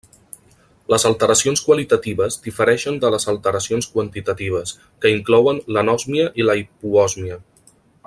Les alteracions qualitatives difereixen de les alteracions quantitatives, que inclouen l'anòsmia i la hipoòsmia.